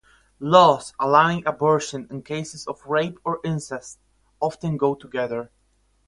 Laws allowing abortion in cases of rape or incest often go together.